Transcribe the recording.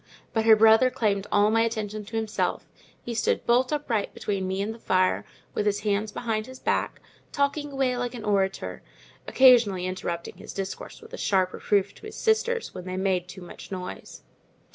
But her brother claimed all my attention to himself; he stood bolt upright between me and the fire, with his hands behind his back, talking away like an orator, occasionally interrupting his discourse with a sharp reproof to his sisters when they made too much noise.